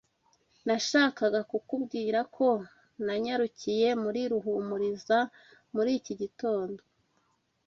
Nashakaga kukubwira ko nanyarukiye muri Ruhumuriza muri iki gitondo.